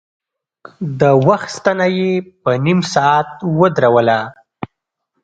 د وخت ستنه يې په نيم ساعت ودروله.